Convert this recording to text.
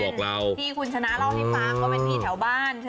๖๐ครับ